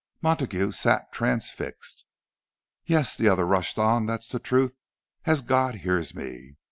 Montague sat transfixed. "Yes," the other rushed on, "that's the truth, as God hears me!